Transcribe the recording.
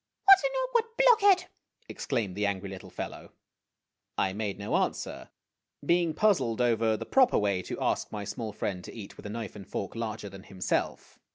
"What an awkward blockhead! " exclaimed the angry little fel low. I made no answer, being puzzled over the proper way to ask my small friend to eat with a knife and fork larger than himself.